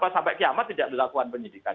sampai kiamat tidak dilakukan penyidikan